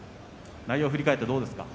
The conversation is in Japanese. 内容は振り返ってどうですか。